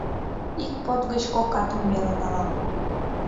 — Ик под гыч кок атым веле налам.